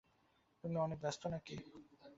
তুমি অনেক ব্যস্ত নাকি?